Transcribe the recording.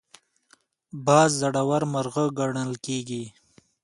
باز زړور مرغه ګڼل کېږي